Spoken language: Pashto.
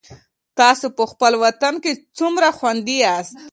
تاسو په خپل وطن کي څومره خوندي یاست؟